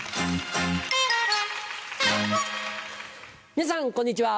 皆さんこんにちは。